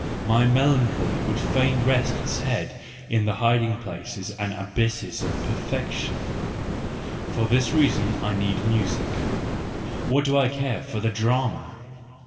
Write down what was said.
My melancholy would fain rest its head in the hiding places and abysses of perfection: for this reason I need music. What do I care for the drama!